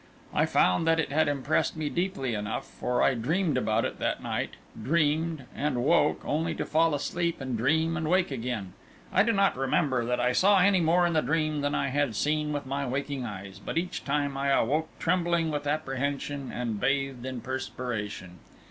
I found that it had impressed me deeply enough, for I dreamed about it that night dreamed, and woke, only to fall asleep and dream and wake again. I do not remember that I saw any more in the dream than I had seen with my waking eyes, but each time I awoke trembling with apprehension and bathed in perspiration.